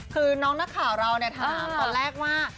คือน้องหน้าข่าวเราเนี่ยถามตอนแรกว่า